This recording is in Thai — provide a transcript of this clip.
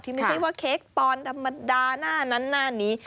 ที่ไม่ใช่ว่าเค้กปอนด์ธรรมดานานานนี้